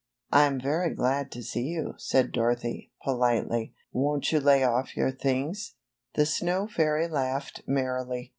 '^I'm very glad to see you," said Dorothy, politely. ^ Won't you lay off your things?" The snow fairy laughed merrily.